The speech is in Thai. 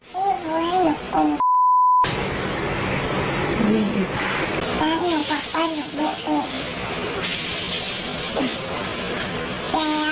แล้วหนูบอกว่าหนูไม่เอ่งแต่พี่ก็ใจจังหนูแล้วหนูบอกว่าน่วไม่เอา